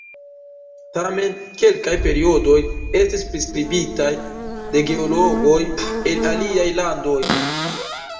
Tamen, kelkaj periodoj estis priskribitaj de geologoj el aliaj landoj.